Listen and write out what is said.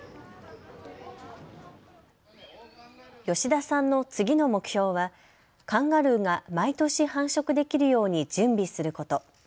吉田さんの次の目標は、カンガルーが毎年繁殖できるように準備すること。